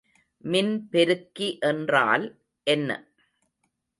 மின்பெருக்கி என்றால் என்ன?